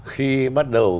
khi bắt đầu